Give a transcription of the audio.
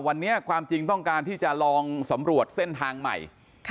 วันนี้ความจริงต้องการที่จะลองสำรวจเส้นทางใหม่